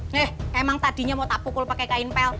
nih emang tadinya mau tak pukul pakai kain pel